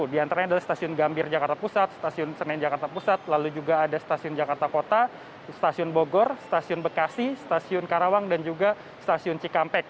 di antaranya adalah stasiun gambir jakarta pusat stasiun senen jakarta pusat lalu juga ada stasiun jakarta kota stasiun bogor stasiun bekasi stasiun karawang dan juga stasiun cikampek